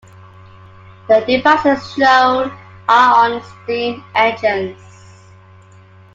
The devices shown are on steam engines.